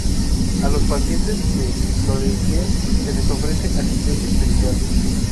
A los pacientes que lo deseen se les ofrece asistencia espiritual.